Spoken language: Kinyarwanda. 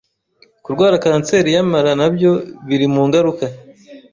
kurwara Cancer y’amara nabyo biri mungaruka